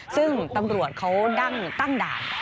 ซึ่งตำรวจเค้าดั้งตั้งด่าน